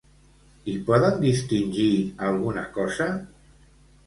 I poden distingir alguna cosa?